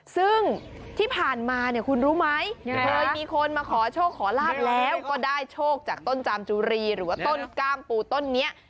ซึ่งที่ผ่านมาเนี่ยคุณรู้ไหมเคยมีคนมาขอโชคขอลาบแล้วก็ได้โชคจากต้นจามจุรีหรือว่าต้นกล้ามปูต้นนี้